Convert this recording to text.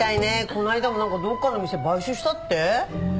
この間もなんかどこかの店買収したって？